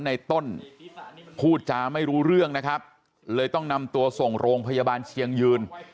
ในต้นพูดจาไม่รู้เรื่องนะครับเลยต้องนำตัวส่งโรงพยาบาลเชียงยืน